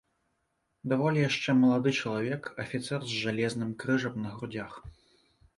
Даволі яшчэ малады чалавек, афіцэр з жалезным крыжам на грудзях.